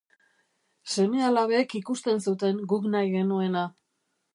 Seme-alabek ikusten zuten guk nahi genuena.